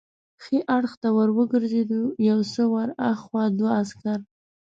ښي اړخ ته ور وګرځېدو، یو څه ور هاخوا دوه عسکر.